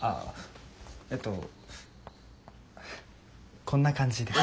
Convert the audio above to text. えっとこんな感じです。